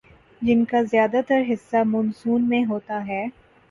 جن کا زیادہ تر حصہ مون سون میں ہوتا ہے